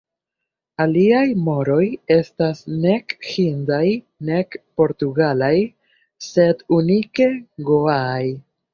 Aliaj moroj estas nek hindaj nek portugalaj, sed unike goaaj.